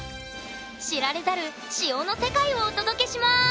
知られざる「塩」の世界をお届けします！